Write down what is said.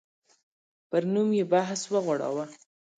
پر نوم یې بحث وغوړاوه.